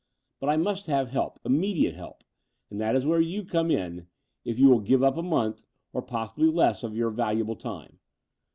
But I must have help — ^immediate help ; and that is where you come in, if you will give up a month, or possibly less, of your valuable time.